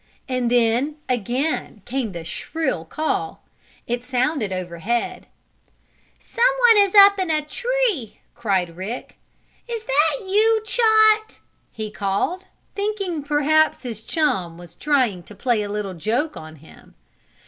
And then, again came the shrill call. It sounded overhead. "Someone is up in a tree!" cried Rick. "Is that you, Chot?" he called, thinking perhaps his chum was trying to play a little joke on him.